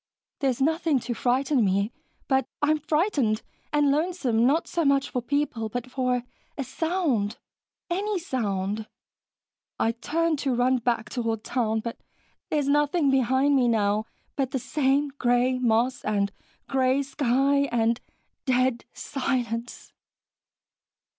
There's nothing to frighten me, but I am frightened ... and lonesome, not so much for people, but for a sound ... any sound. I turn to run back toward town, but there's nothing behind me now but the same gray moss and gray sky and dead silence."